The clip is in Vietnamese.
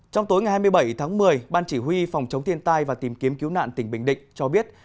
trong tối ngày hai mươi bảy tháng một mươi ban chỉ huy phòng chống thiên tai và tìm kiếm cứu nạn tỉnh bình định cho biết